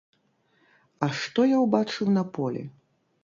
А што я ўбачыў на полі?